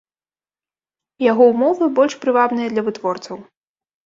І яго ўмовы больш прывабныя для вытворцаў.